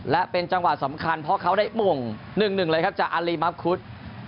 และเป็นจังหวะสำคัญเพราะเขาได้มง๑๑เลยครับจากอารีมัคคุด